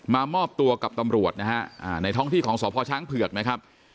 มามอบตัวกับตำรวจในท้องที่ของสพช้างเผือก